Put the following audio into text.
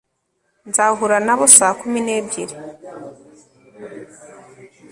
nzahura nabo saa kumi n'ebyiri